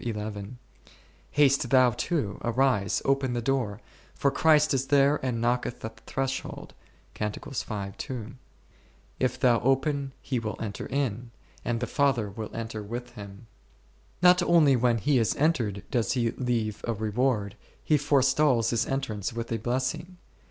25 Lamb in haste m , haste thou too, arise, open the door, for Christ is there and knocketh at the threshold 11 : if thou open, He will enter in, and the Father will enter with Him. Not only when He is entered does He leave a reward ; He forestalls His entrance with a blessing.